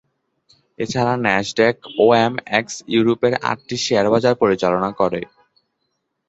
এছাড়া ন্যাসড্যাক-ওএমএক্স ইউরোপের আটটি শেয়ার বাজার পরিচালনা করে।